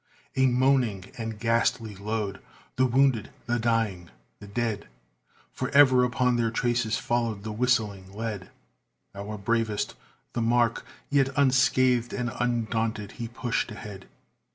A moaning and ghastly load the wounded the dying the dead! For ever upon their traces followed the whistling lead, Our bravest the mark, yet unscathed and undaunted, he pushed ahead.